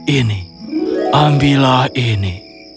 ini ambillah ini